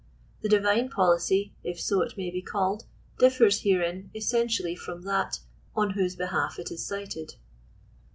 The divine policy, if so it may be called, differs herein es sentially from that on whose behalf it is cited.